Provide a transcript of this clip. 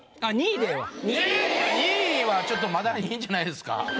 ２位はちょっとまだいいんじゃないですか？